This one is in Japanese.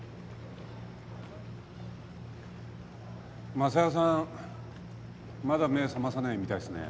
昌代さんまだ目覚まさないみたいすね。